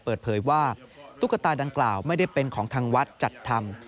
เปิดเผยว่าตุ๊กตาดังกล่าวไม่ได้เป็นของทางวัดจัดทำ